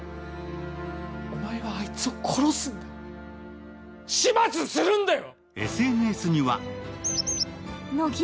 お前はあいつを殺す、始末するんだよ！